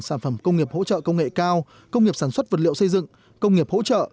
sản phẩm công nghiệp hỗ trợ công nghệ cao công nghiệp sản xuất vật liệu xây dựng công nghiệp hỗ trợ